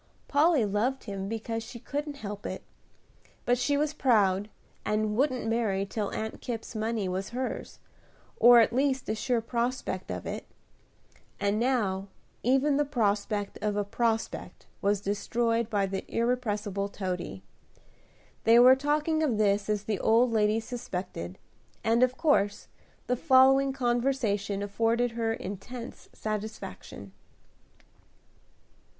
Polly loved him because she couldn't help it; but she was proud, and wouldn't marry till Aunt Kipp's money was hers, or at least a sure prospect of it; and now even the prospect of a prospect was destroyed by that irrepressible Toady. They were talking of this as the old lady suspected, and of course the following conversation afforded her intense satisfaction.